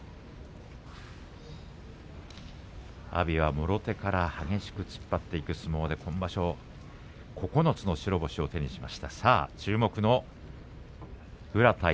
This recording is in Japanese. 阿炎はもろ手から激しく突っ張っていく相撲で今場所９つの白星を手にしています。